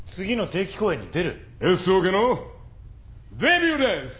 Ｓオケのデビューです！